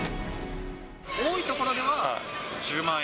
多いところでは１０万円。